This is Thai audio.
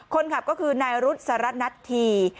คนขับก็คือนายรุษสารนัทธี